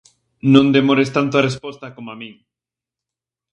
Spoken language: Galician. Non demores tanto a resposta coma min.